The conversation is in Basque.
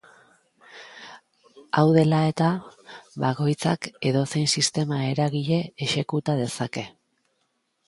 Hau dela eta, bakoitzak edozein sistema eragile exekuta dezake.